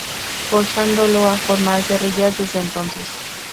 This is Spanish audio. Forzándolo a formar guerrillas desde entonces.